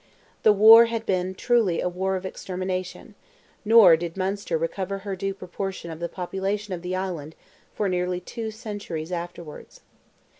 The war had been truly a war of extermination; nor did Munster recover her due proportion of the population of the island for nearly two centuries afterwards.